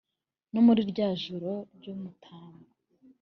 No muri rya joro ry'umutambya